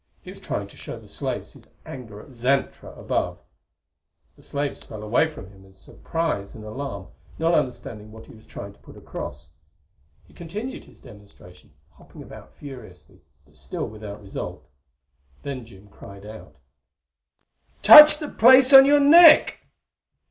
He was trying to show the slaves his anger at Xantra, above. The slaves fell away from him in surprise and alarm, not understanding what he was trying to put across. He continued his demonstration, hopping about furiously, but still without result. Then Jim cried out: "Touch the place on your neck!"